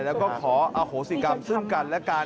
แล้วก็ขออโหสิกรรมซึ่งกันและกัน